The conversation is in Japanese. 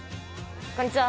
こんにちは。